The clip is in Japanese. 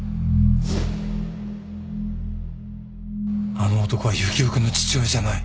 あの男はユキオ君の父親じゃない。